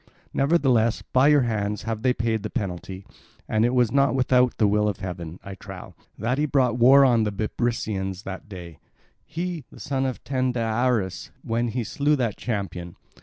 Nevertheless, by your hands have they paid the penalty; and it was not without the will of heaven, I trow, that he brought war on the Bebrycians this day—he, the son of Tyndareus, when he slew that champion.